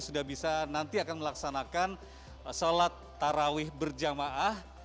sudah bisa nanti akan melaksanakan sholat tarawih berjamaah